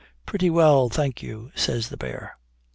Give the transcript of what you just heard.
(Pretty well, thank you,) says the bear.